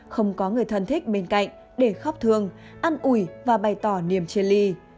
không có người thân thích bên cạnh để khóc thương ăn ủi và bày tỏ niềm chia ly